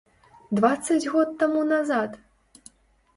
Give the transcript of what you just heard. Дваццаць год таму назад!